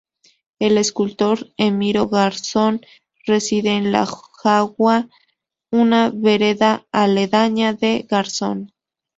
El escultor Emiro Garzón reside en La Jagua, una vereda aledaña de Garzón.